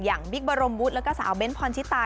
อย่างบิ๊กบรมวุฒและก็สาวเบ้นท์พลชิตา